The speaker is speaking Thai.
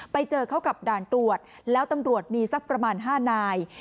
ไปเจอเข้ากับด่านตรวจแล้วตำรวจมีสักประมาณ๕นาย